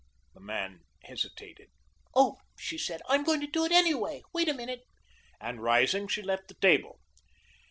The man hesitated. "Oh," she said, "I'm going to do it, anyway. Wait a minute," and, rising, she left the table.